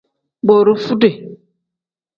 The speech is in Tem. Borofude.